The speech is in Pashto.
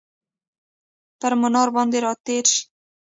پر مناره باندې راتیرشي،